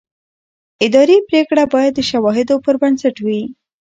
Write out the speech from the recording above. اداري پرېکړه باید د شواهدو پر بنسټ وي.